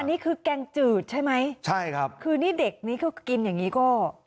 นี่คือแกงจืดใช่ไหมใช่ครับคือนี่เด็กนี้ก็กินอย่างงี้ก็